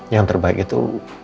yang terbaik itu